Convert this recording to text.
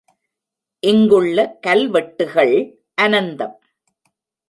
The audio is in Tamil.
இங்குள்ள கல்வெட்டுகள் அனந்தம்.